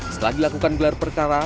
setelah dilakukan gelar perkara